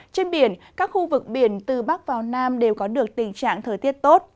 trên biển các khu vực biển từ bắc vào nam đều có được tình trạng thời tiết tốt